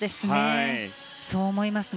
そう思いますね。